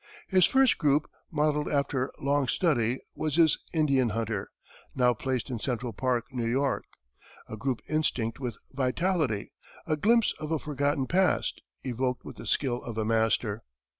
His first group, modelled after long study, was his "Indian Hunter," now placed in Central Park, New York a group instinct with vitality a glimpse of a forgotten past, evoked with the skill of a master.